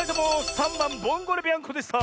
３ばん「ボンゴレビアンコ」でした！